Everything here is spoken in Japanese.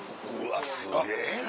すげぇな！